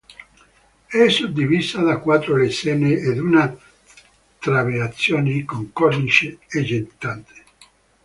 È suddivisa da quattro lesene ed una trabeazione con cornice aggettante.